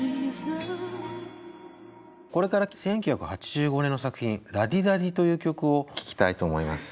これから１９８５年の作品「ＬａＤｉＤａＤｉ」という曲を聴きたいと思います。